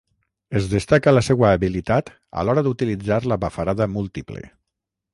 Es destaca la seua habilitat a l'hora d'utilitzar la bafarada múltiple.